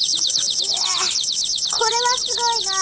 これはすごいな。